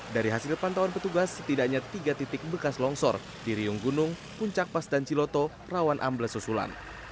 dari hasil pantauan petugas setidaknya tiga titik bekas longsor di riung gunung puncak pas dan ciloto rawan ambles susulan